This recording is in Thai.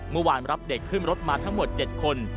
เมื่อวานรับเด็กขึ้นรถมาทั้งหมด๗คน